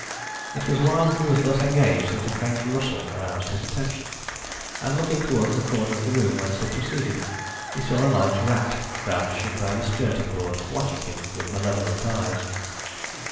It was while he was thus engaged that a faint rustle aroused his attention, and looking towards the corner of the room whence it proceeded, he saw a large rat crouching by the skirting board watching him with malevolent eyes.